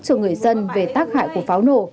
cho người dân về tác hại của pháo nổ